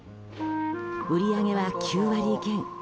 売り上げは９割減。